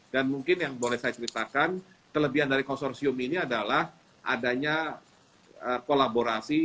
dan mungkin yang boleh saya ceritakan kelebihan dari konsorsium ini adalah adanya kolaborasi sinergi